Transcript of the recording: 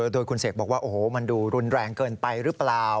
โดยคุณเสกบอกว่าโอ้โหมันดูรุนแรงเกินไปหรือเปล่า